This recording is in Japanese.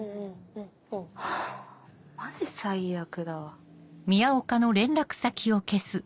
ハァマジ最悪だわ。